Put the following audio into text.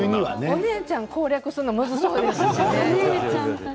お姉ちゃん攻略するのむずそうですね。